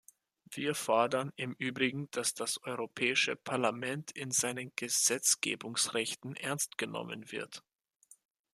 Wir fordern im Übrigen, dass das Europäische Parlament in seinen Gesetzgebungsrechten ernst genommen wird.